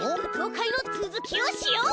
かいのつづきをしよう！